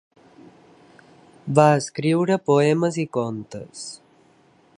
Va escriure poemes i contes.